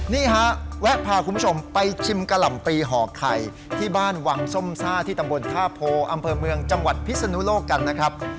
นี่ฮะแวะพาคุณผู้ชมไปชิมกะหล่ำปีห่อไข่ที่บ้านวังส้มซ่าที่ตำบลท่าโพอำเภอเมืองจังหวัดพิศนุโลกกันนะครับ